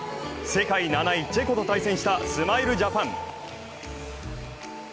世界７位チェコと対戦したスマイルジャパン。